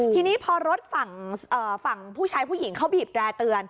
ทีนี้พอรถฝั่งผู้ชายผู้หญิงเขาบีบแร่เตือน